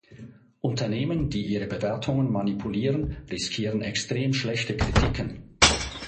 Unternehmen, die ihre Bewertungen manipulieren, riskieren extrem schlechte Kritiken.